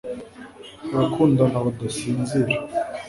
Abakundana badasinzira